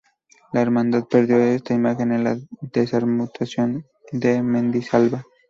La hermandad perdió esta imagen en la desamortización de Mendizábal.